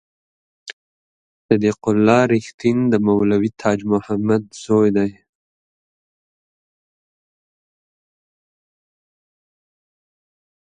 صدیق الله رښتین د مولوي تاج محمد زوی دی.